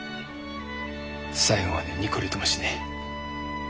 最後までニコリともしねえ。